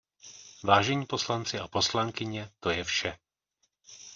Vážení poslanci a poslankyně, to je vše.